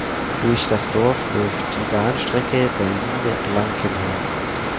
Durch das Dorf läuft die Bahnstrecke Berlin–Blankenheim.